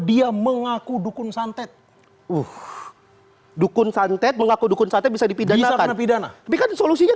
dia mengaku dukun santet uh dukun santet mengaku dukun santet bisa dipidangkan pidana solusinya